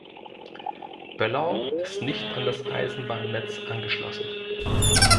Pöllau ist nicht an das Eisenbahnnetz angeschlossen.